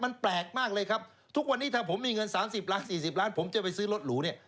มันแปลกมากเลยครับทุกวันนี้ถ้าผมมีเงิน๓๐ล้าน๔๐ล้านผมจะไปซื้อรถหรูเนี่ย